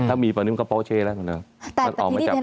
ถ้ามีตอนนี้มันก็โปเช่แล้วมันออกมาจับ